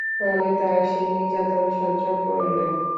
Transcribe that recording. ফলে তাঁরা সেই নির্যাতন সহ্য করলেন।